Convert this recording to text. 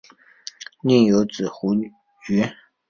宁有子胡虔。